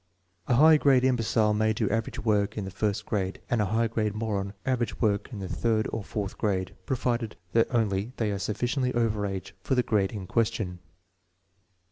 " A high grade imbecile may do average work in the first grade, and a high grade moron average work in the third or fourth grade, provided only they are sufficiently over age for the grade in question.